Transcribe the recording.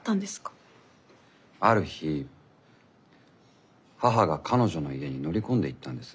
ある日母が彼女の家に乗り込んでいったんです。